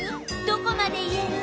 どこまで言える？